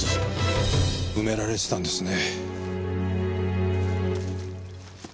埋められてたんですね。